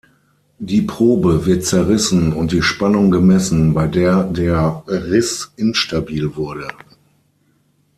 Die Probe wird zerrissen und die Spannung gemessen, bei der der Riss instabil wurde.